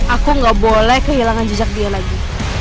aku nggak boleh kehilangan jejak dia lagi